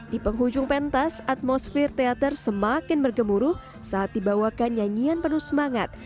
di penghujung pentas atmosfer teater semakin bergemuruh saat dibawakan nyanyian penuh semangat